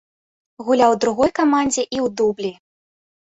Гуляў у другой камандзе і ў дублі.